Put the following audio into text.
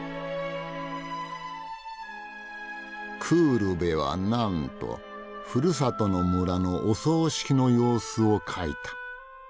クールベはなんとふるさとの村のお葬式の様子を描いた。